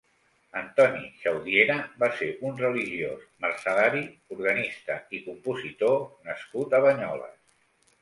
Antoni Xaudiera va ser un religiós mercedari, organista i compositor nascut a Banyoles.